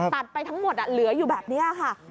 ตัดไปทั้งหมดเหลืออยู่แบบนี้ค่ะ